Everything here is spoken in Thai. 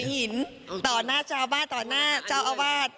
อยู่ในหินต่อหน้าเจ้าอาวาส